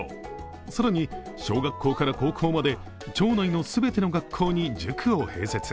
更に、小学校から高校まで町内の全ての学校に塾を併設。